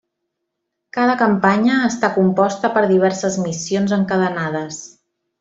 Cada campanya està composta per diverses missions encadenades.